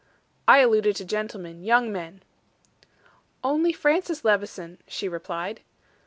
"I alluded to gentlemen young men." "Only Francis Levison," she replied.